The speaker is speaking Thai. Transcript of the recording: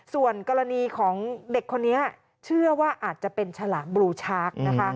ส่วนกรณีของเด็กคนนี้เชื่อว่าอาจจะเป็นฉลามกรูช้าก